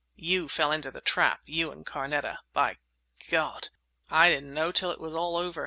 "You fell into the trap—you and Carneta. By God! I didn't know till it was all over!